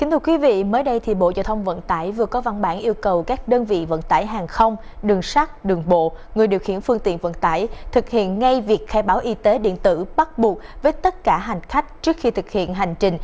hãy đăng ký kênh để ủng hộ kênh của mình nhé